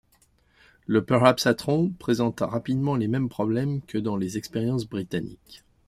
Le Perhapsatron présenta rapidement les mêmes problèmes que dans les expériences britanniques.